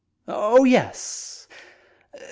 . Oh, yes .